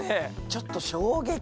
ちょっと衝撃。